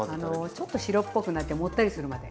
ちょっと白っぽくなってもったりするまで。